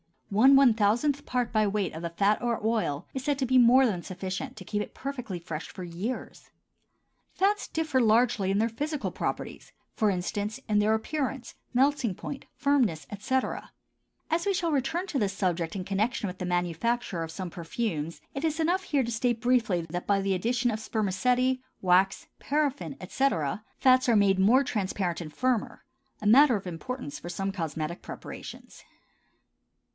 One one thousandth part by weight of the fat or oil is said to be more than sufficient to keep it perfectly fresh for years. Fats differ largely in their physical properties—for instance, in their appearance, melting point, firmness, etc. As we shall return to this subject in connection with the manufacture of some perfumes, it is enough here to state briefly that by the addition of spermaceti, wax, paraffin, etc., fats are made more transparent and firmer—a matter of importance for some cosmetic preparations.